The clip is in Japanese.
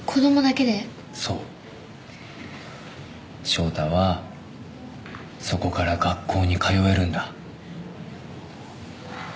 祥太はそこから学校に通えるんだ。